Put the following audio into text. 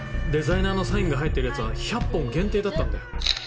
デザイナーのサインが入ってるやつは１００本限定だったんだよ。